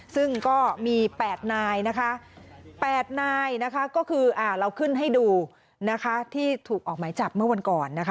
ซึ่งก็มี๘นายนะคะ๘นายนะคะก็คือเราขึ้นให้ดูนะคะที่ถูกออกหมายจับเมื่อวันก่อนนะคะ